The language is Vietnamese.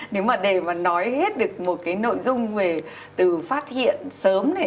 nếu mà để mà nói hết được một cái nội dung về từ phát hiện sớm này